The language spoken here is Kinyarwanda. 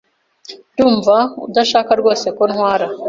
Ndumva udashaka rwose ko ntwara.